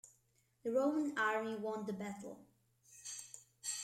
The Roman army won the battle.